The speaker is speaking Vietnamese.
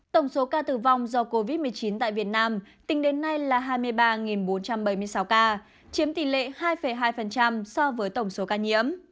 tổng số ca tử vong do covid một mươi chín tại việt nam tính đến nay là hai mươi ba bốn trăm bảy mươi sáu ca chiếm tỷ lệ hai hai so với tổng số ca nhiễm